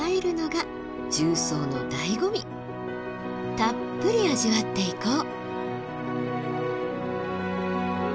たっぷり味わっていこう！